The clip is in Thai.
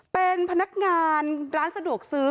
เป็นพนักงานร้านสะดวกซื้อ